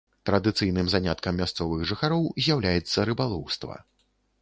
Традыцыйным заняткам мясцовых жыхароў з'яўляецца рыбалоўства.